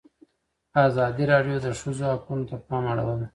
ازادي راډیو د د ښځو حقونه ته پام اړولی.